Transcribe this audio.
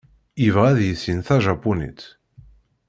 Yebɣa ad yissin tajapunit.